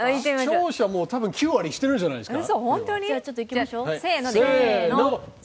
視聴者、たぶん９割知っているんじゃないですか？